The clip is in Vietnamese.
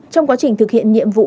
trong quá trình thực hiện nhiệm vụ